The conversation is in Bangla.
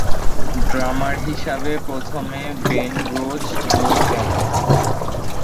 ড্রামার হিসেবে প্রথমে বেন রোজ যোগ দেন।